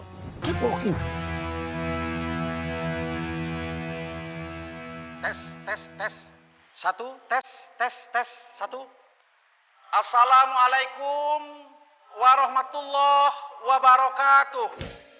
hai keep walking tes tes tes satu tes tes tes satu assalamualaikum warahmatullah wabarakatuh